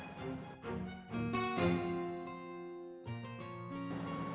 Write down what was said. ini tuh masih jam kerja